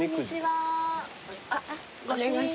はい。